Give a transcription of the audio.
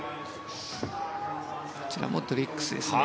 こちらもドリッグスですね。